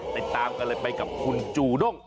ติดตามกันเลยไปกับคุณจูด้ง